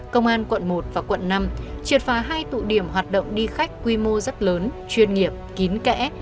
công an quận một và quận năm triệt phá hai tụ điểm hoạt động đi khách quy mô rất lớn chuyên nghiệp kín kẽ